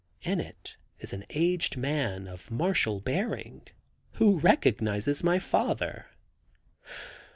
In it is an aged man of martial bearing, who recognizes my father.